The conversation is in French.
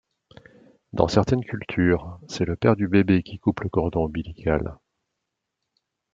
Dans certaines cultures, c'est le père du bébé qui coupe le cordon ombilical.